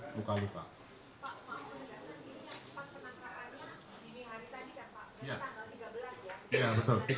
pak maaf menegakkan ini yang sempat penangkarannya di hari tadi kan pak